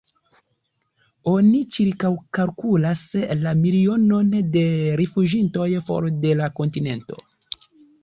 Oni ĉirkaŭkalkulas la milionon de rifuĝintoj for de la kontinento.